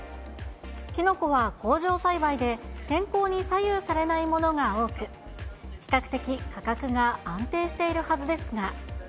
キノコは工場栽培で、天候に左右されないものが多く、比較的価格が安定しているはずですが。